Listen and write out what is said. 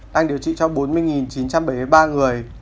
đang điều trị cho bốn mươi chín trăm bảy mươi ba người